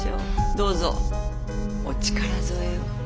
どうぞお力添えを。